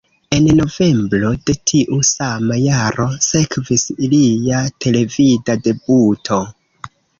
En novembro de tiu sama jaro sekvis ilia televida debuto.